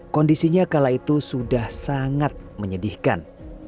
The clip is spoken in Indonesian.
kondisinya kala itu sudah sangat menyedihkan